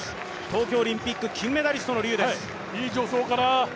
東京オリンピック金メダリストの劉です。